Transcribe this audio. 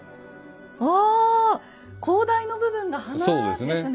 あ高台の部分が花ですね。